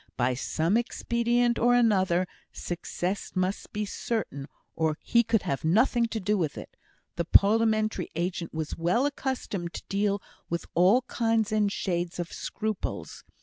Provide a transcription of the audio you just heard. By some expedient or another, success must be certain, or he could have nothing to do with it. The parliamentary agent was well accustomed to deal with all kinds and shades of scruples.